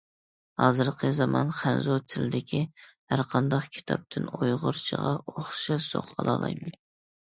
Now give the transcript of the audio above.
ھازىرقى زامان خەنزۇ تىلىدىكى ھەرقانداق كىتابتىن ئۇيغۇرچىغا ئوخشاش زوق ئالالايمەن.